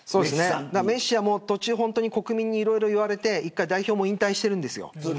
メッシは途中で国民に、いろいろ言われて１回代表も引退しているんです。